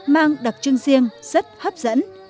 mang đặc trưng riêng rất hấp dẫn